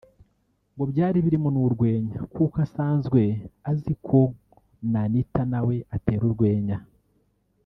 ngo byari birimo n’urwenya kuko asanzwe azi ko na Anita nawe atera urwenya